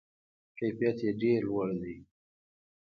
کیفیت یې ډیر لوړ دی.